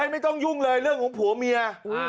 ไม่ต้องยุ่งเลยเรื่องของผัวเมีย